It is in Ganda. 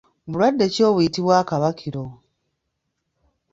Bulwadde ki obuyitibwa akabakiro?